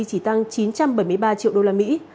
chỉ tăng chín trăm bảy mươi ba triệu đô la mỹ